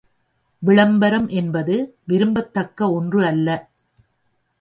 விளம்பரம் என்பது விரும்பத்தக்க ஒன்று அல்ல.